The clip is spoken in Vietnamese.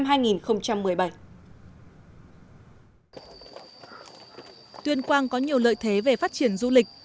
tuyên quang có nhiều lợi thế về phát triển du lịch